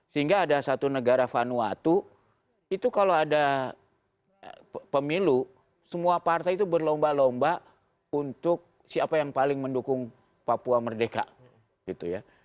sehingga ada satu negara vanuatu itu kalau ada pemilu semua partai itu berlomba lomba untuk siapa yang paling mendukung papua merdeka gitu ya